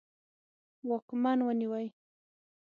واکمن ونیوی.